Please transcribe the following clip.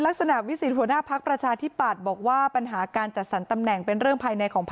แล้วก็ทางกรรมการบริหารแล้วพักเขาก็ต้องเริ่มต้นนับหนึ่ง